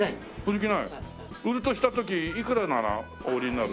売るとした時いくらならお売りになる？